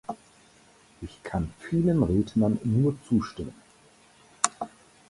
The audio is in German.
Ich kann vielen Rednern nur zustimmen.